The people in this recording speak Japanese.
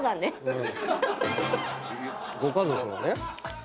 ご家族のね。